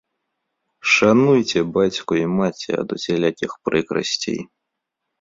Шануйце бацьку і маці ад усялякіх прыкрасцей.